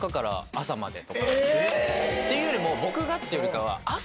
えっ！？っていうよりも僕がっていうよりかは。